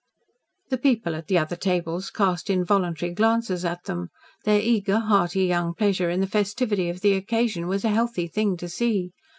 The people at the other tables cast involuntary glances at them. Their eager, hearty young pleasure in the festivity of the occasion was a healthy thing to see.